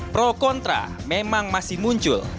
pro kontra memang masih muncul